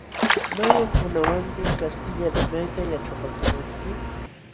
¿Mayqankunawanmi kastilla limayta yaćhapakulqanki?